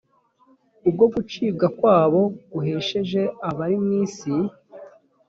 ubwo gucibwa kwabo guhesheje abari mu isi